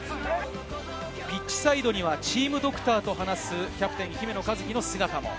ピッチサイドにはチームドクターと話すキャプテン姫野和樹の姿。